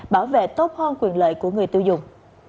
bảo vệ tốt hơn quyền lợi của người tiêu dùng